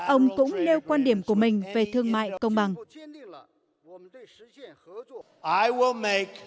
ông cũng nêu quan điểm của mình về thương mại công bằng